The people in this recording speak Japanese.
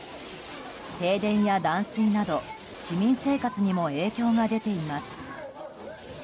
停電や断水など市民生活にも影響が出ています。